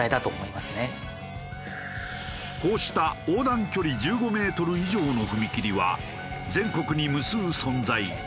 こうした横断距離１５メートル以上の踏切は全国に無数存在。